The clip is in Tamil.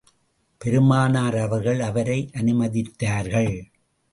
பெருமானார் அவர்கள் அவரை அனுமதித்தார்கள்.